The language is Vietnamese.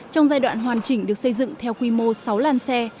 trong giai đoạn hoàn chỉnh được xây dựng theo quy mô sáu làn xe